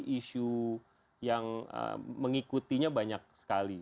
isu yang mengikutinya banyak sekali